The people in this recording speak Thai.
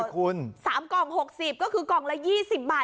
คุณ๓กล่อง๖๐ก็คือกล่องละ๒๐บาท